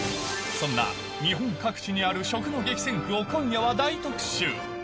そんな日本各地にある食の激戦区を今夜は大特集